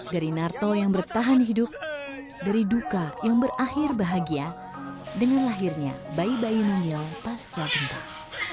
dari narto yang bertahan hidup dari duka yang berakhir bahagia dengan lahirnya bayi bayi mungil pasca gempa